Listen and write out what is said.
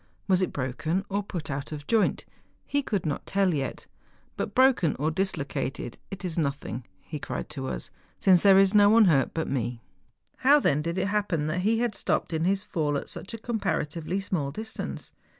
Was it broken or put out of joint? He could not tell yet. ^ But broken or dislocated it is nothing,' he cried to us, ' since there is no one hurt but me.' How then did it happen that he had stopped in his fall at such a comparatively small distance